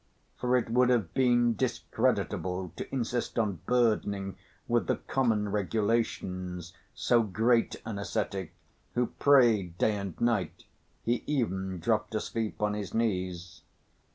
For it would have been discreditable to insist on burdening with the common regulations so great an ascetic, who prayed day and night (he even dropped asleep on his knees).